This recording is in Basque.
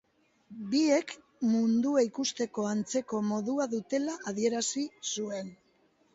Biek mundua ikusteko antzeko modua dutela adierazi zuen